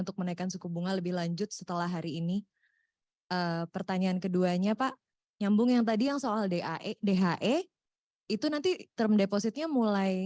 kenaikan suku bunga dari bank indonesia